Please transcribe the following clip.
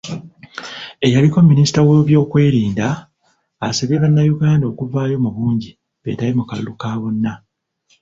Eyaliko Minisita w'ebyokwerinda, asabye bannayuganda okuvaayo mu bungi beetabe mu kalulu ka bonna